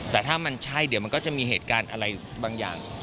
แต่ถ้ามันใช่เดี๋ยวมันก็จะมีเหตุการณ์อะไรบางอย่าง